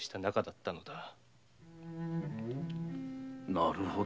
なるほど。